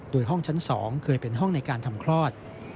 โดยห้องชั้น๒เคยเป็นห้องในการทำคลอด